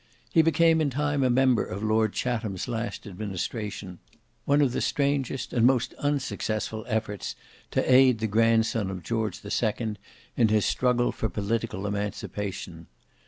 He became in time a member of Lord Chatham's last administration: one of the strangest and most unsuccessful efforts to aid the grandson of George the Second in his struggle for political emancipation.